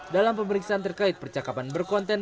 dalam pemeriksaan terkait percakapan berkonten